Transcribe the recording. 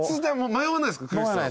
迷わないです。